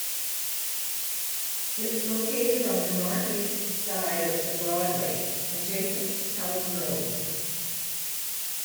It was located on the north-east side of The Broadway adjacent to Pelham Road.